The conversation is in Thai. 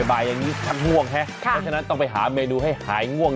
บ่ายอย่างนี้ชักง่วงฮะเพราะฉะนั้นต้องไปหาเมนูให้หายง่วง